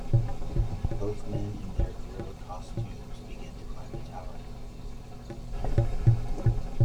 Both men, in their gorilla costumes, begin to climb the tower.